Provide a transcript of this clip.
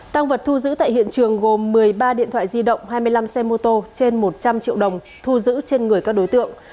tăng vật thu giữ tại hiện trường gồm một mươi ba điện thoại di động hai mươi năm xe mô tô trên một trăm linh triệu đồng thu giữ trên người các đối tượng